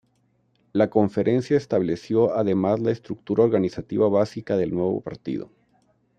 La conferencia estableció además la estructura organizativa básica del nuevo partido.